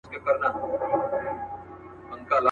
د مطرب لاس ته لوېدلی زوړ بې سوره مات رباب دی.